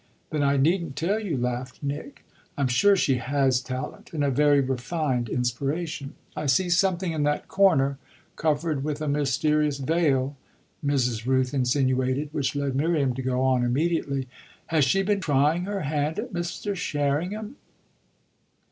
"Then I needn't tell you," laughed Nick. "I'm sure she has talent and a very refined inspiration. I see something in that corner, covered with a mysterious veil," Mrs. Rooth insinuated; which led Miriam to go on immediately: "Has she been trying her hand at Mr. Sherringham?"